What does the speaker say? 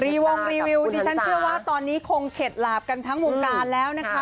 วงรีวิวดิฉันเชื่อว่าตอนนี้คงเข็ดหลาบกันทั้งวงการแล้วนะคะ